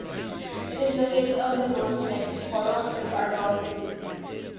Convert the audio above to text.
It is located on the road connecting Poros with Argostoli.